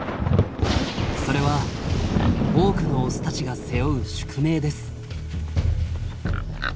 それは多くのオスたちが背負う宿命です。